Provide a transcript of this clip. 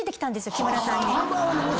木村さんに。